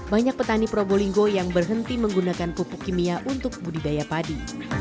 banyak petani probolinggo yang berhenti menggunakan pupuk kimia untuk budidaya padi